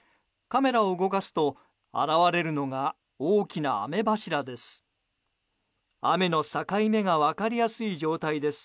カメラを動かすと現れるのが大きな雨柱です。